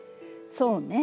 そうね。